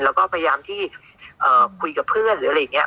แล้วก็พยายามที่คุยกับเพื่อนหรืออะไรอย่างนี้